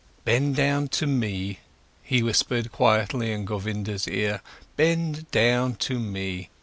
"Bend down to me!" he whispered quietly in Govinda's ear. "Bend down to me!